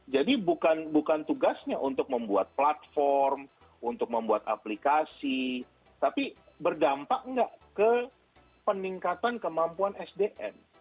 jadi bukan tugasnya untuk membuat platform untuk membuat aplikasi tapi berdampak nggak ke peningkatan kemampuan sdm